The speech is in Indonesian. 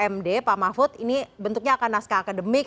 md pak mahfud ini bentuknya akan naskah akademik